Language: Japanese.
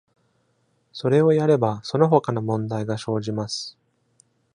それをやれば、その他の問題が生じます。